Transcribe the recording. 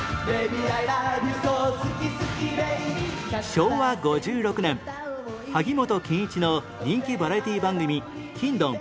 昭和５６年萩本欽一の人気バラエティー番組『欽ドン！